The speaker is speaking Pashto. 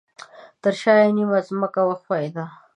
ترشاه یې نیمه ځمکه وښویده